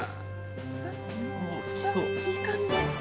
いい感じ。